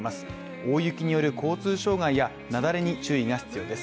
大雪による交通障害やなだれに注意が必要です。